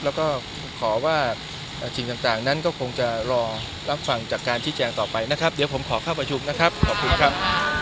แล้วก็ขอว่าสิ่งต่างนั้นก็คงจะรอรับฟังจากการชี้แจงต่อไปนะครับเดี๋ยวผมขอเข้าประชุมนะครับขอบคุณครับ